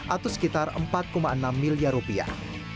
atau sekitar empat enam miliar rupiah